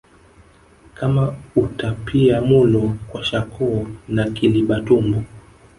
kama utapiamulo kwashakoo na kiliba tumbo